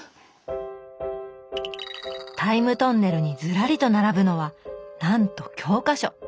タイムトンネルにずらりと並ぶのはなんと教科書。